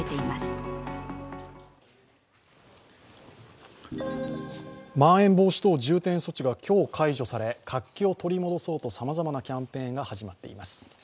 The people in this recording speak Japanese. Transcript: まん延防止等重点措置が今日解除され活気を取り戻そうとさまざまなキャンペーンが始まっています。